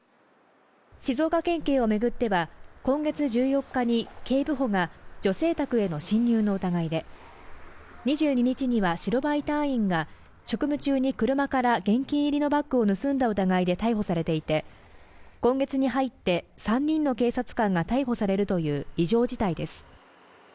静岡県警をめぐっては今月１４日に警部補が女性宅への侵入の疑いで２２日には白バイ隊員が職務中に車から現金入りのバッグを盗んだ疑いで逮捕されていて今月に入って３人の警察官が逮捕されるという異常事態です